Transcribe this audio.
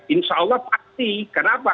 insya allah pasti kenapa